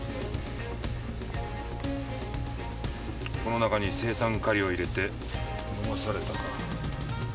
この中に青酸カリを入れて飲まされたか。